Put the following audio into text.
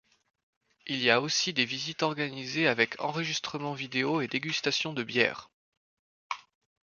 Il y a aussi des visites organisées, avec enregistrement vidéo et dégustation de bière.